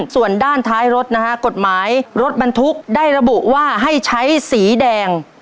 ส่วนด้านท้ายรถนะฮะกฎหมายรถบรรทุกได้ระบุว่าให้ใช้สีแดง